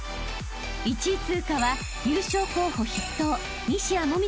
［１位通過は優勝候補筆頭］